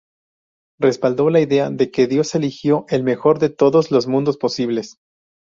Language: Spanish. Respaldó la idea de que Dios eligió el mejor de todos los mundos posibles.